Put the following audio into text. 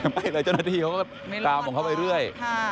ไม่จ้าหน้าที่ก็ตามพวกเขาไปเรื่อย